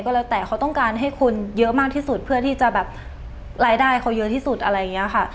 ก็แล้วแต่เขาต้องการให้คนเยอะมากที่สุดเพื่อที่จะแบบรายได้เขาเยอะที่สุดอะไรอย่างนี้ค่ะ